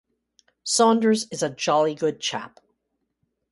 Saunders is a jolly good chap.